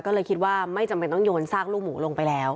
ก็เลยคิดว่าไม่จำเป็นต้องโยนซากลูกหมูลงไปแล้ว